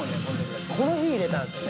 この日入れたんですよね。